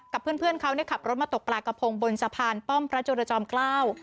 เพื่อนเขาขับรถมาตกปลากระพงบนสะพานป้อมพระจุรจอมเกล้า